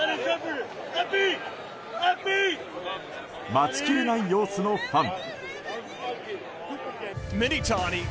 待ちきれない様子のファン。